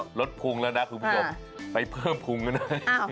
ลดพุงลดพุงแล้วครับคุณผู้ชมไปเพิ่มพุงกันนะฮะฮ่า